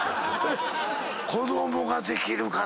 子供ができるかな？